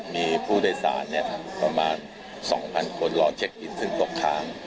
มีผู้โดยสารประมาณ๒๐๐คนรอเช็คอินซึ่งตกค้าง